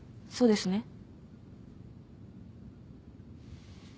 そうですね？